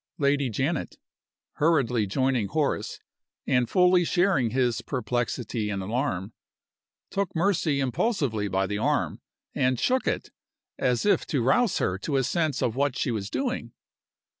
Lady Janet (hurriedly joining Horace, and fully sharing his perplexity and alarm) took Mercy impulsively by the arm, and shook it, as if to rouse her to a sense of what she was doing.